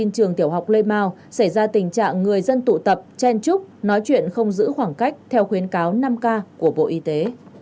trường tiểu học lê mau xảy ra tình trạng người dân tụ tập chen chúc nói chuyện không giữ khoảng cách theo khuyến cáo năm k của bộ y tế